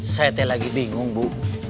saya lagi bingung bu